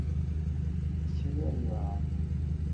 乜咁客氣呀？